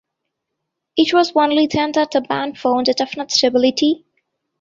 It was only then that the band found a definite stability.